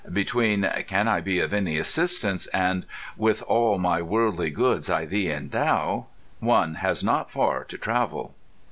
Between "Can I be of any assistance?" and "With all my worldly goods I thee endow" one has not far to travel.